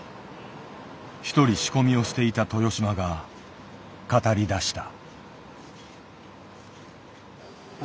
一人仕込みをしていた豊島が語りだした。